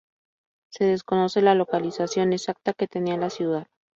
Se desconoce la localización exacta que tenía la ciudad.